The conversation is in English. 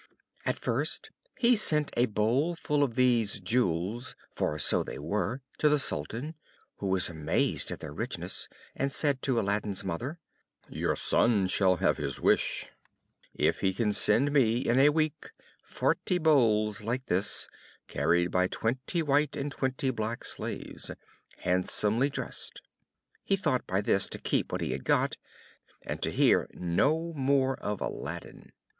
At first he sent a bowlful of these jewels for so they were to the Sultan, who was amazed at their richness, and said to Aladdin's mother: "Your son shall have his wish, if he can send me, in a week, forty bowls like this, carried by twenty white and twenty black slaves, handsomely dressed." He thought by this to keep what he had got, and to hear no more of Aladdin.